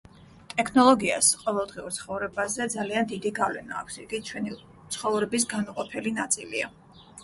ტექნოლოგიას ყოველდღიურ ცხოვრებაზე ძალიან დიდი გავლენა აქვს, იგი ჩვენი ცხოვრების განუყოფელი ნაწილია.